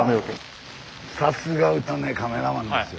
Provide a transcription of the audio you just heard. さすがうちのねカメラマンですよ。